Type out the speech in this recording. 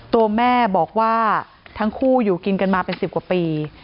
ตัวแม่บอกว่าทั้งคู่อยู่กินกันมาเป็น๑๐กว่าปี